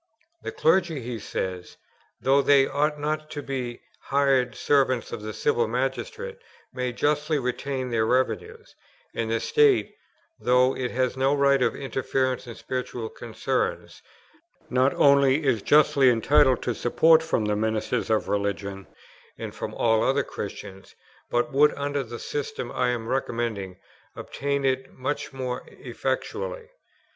"The clergy," he says p. 133, "though they ought not to be the hired servants of the Civil Magistrate, may justly retain their revenues; and the State, though it has no right of interference in spiritual concerns, not only is justly entitled to support from the ministers of religion, and from all other Christians, but would, under the system I am recommending, obtain it much more effectually."